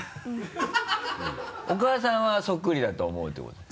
お母さんはそっくりだと思うってこと？